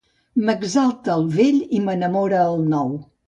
M'exalta el vell i m'enamora el nou.